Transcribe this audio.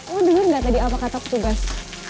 lo dulu enggak tadi alpaka tok subas